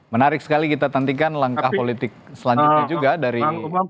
menarik sekali kita nantikan langkah politik selanjutnya juga dari